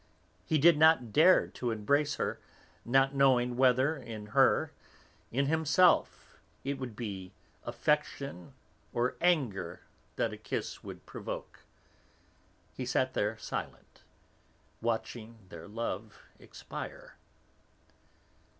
He did not dare to embrace her, not knowing whether in her, in himself, it would be affection or anger that a kiss would provoke. He sat there silent, watching their love expire.